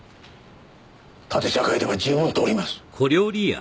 縦社会では十分通ります。